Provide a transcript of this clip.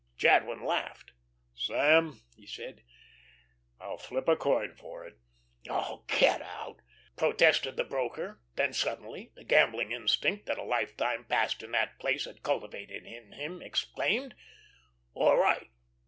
Jadwin laughed. "Sam," he said, "I'll flip a coin for it." "Oh, get out," protested the broker; then suddenly the gambling instinct that a lifetime passed in that place had cultivated in him exclaimed: "All right.